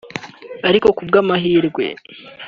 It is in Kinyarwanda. Ariko ku bw’amahirwe